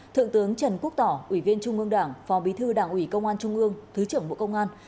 thượng tướng trần quốc tỏ ủy viên trung ương đảng phó bí thư đảng ủy công an trung ương thứ trưởng bộ công an